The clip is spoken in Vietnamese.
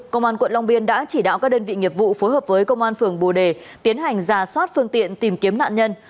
công an quận long biên đã chỉ đạo các đơn vị nghiệp vụ phối hợp với công an phường bồ đề tiến hành giả soát phương tiện tìm kiếm nạn nhân